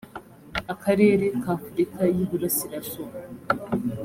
akarere k’afurika y’iburasirazuba